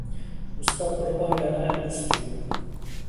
Mužská podoba jména je Augustin.